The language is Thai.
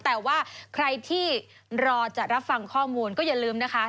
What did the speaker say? แต่ว่าใครที่รอจะรับฟังข้อมูลก็อย่าลืมนะคะ